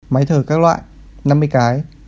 máy thở các loại năm mươi cái